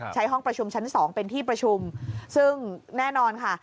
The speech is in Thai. ใช้ห้องประชุมชั้นสองเป็นที่ประชุมซึ่งแน่นอนค่ะ